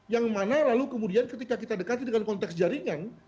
yang mana lalu kemudian ketika kita dekati dengan konteks jaringan